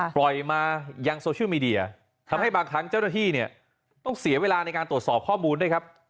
ปล่อยมายังโซเชียลมีเดียทำให้บางครั้งเจ้าหน้าที่เนี่ยต้องเสียเวลาในการตรวจสอบข้อมูลด้วยครับ